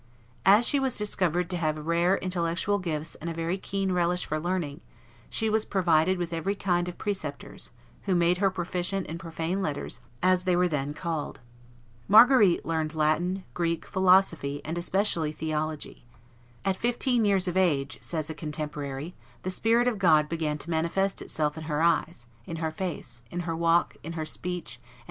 ] As she was discovered to have rare intellectual gifts and a very keen relish for learning, she was provided with every kind of preceptors, who made her proficient in profane letters, as they were then called. Marguerite learned Latin, Greek, philosophy, and especially theology. "At fifteen years of age," says a contemporary, "the spirit of God began to manifest itself in her eyes, in her face, in her walk, in her speech, and.